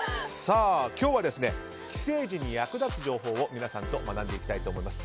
今日は帰省時に役立つ情報を皆さんと学んでいきたいと思います。